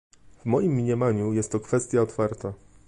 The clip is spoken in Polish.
W moim mniemaniu jest to kwestia otwarta